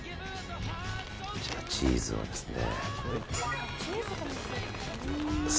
じゃあチーズをですね。